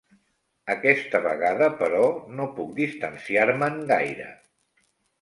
Aquesta vegada, però, no puc distanciar-me'n gaire.